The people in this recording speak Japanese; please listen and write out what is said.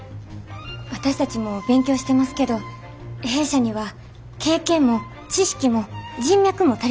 私たちも勉強してますけど弊社には経験も知識も人脈も足りてません。